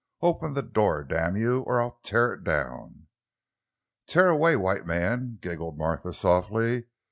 "Open the door, damn you, or I'll tear it down!" "Tear away, white man!" giggled Martha softly.